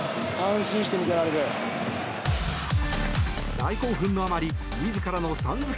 大興奮のあまり、自らのさん付け